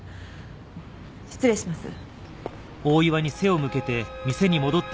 失礼します。